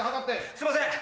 すいません。